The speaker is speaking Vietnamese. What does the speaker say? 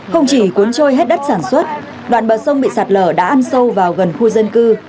không chỉ cuốn trôi hết đất sản xuất đoạn bờ sông bị sạt lở đã ăn sâu vào gần khu dân cư